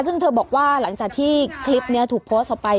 ซึ่งเธอบอกว่าหลังจากที่คลิปนี้ถูกโพสต์ออกไป